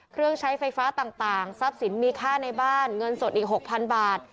เครื่องใช้ไฟฟ้าต่างทรัพย์สินมีค่าในบ้านเงินสดอีก๖๐๐๐บาท